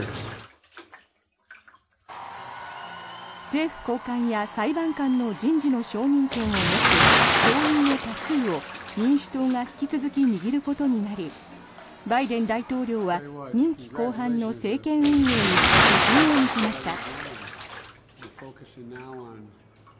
政府高官や裁判官の人事の承認権を持つ上院の多数を民主党が引き続き握ることになりバイデン大統領は任期後半の政権運営に自信を見せました。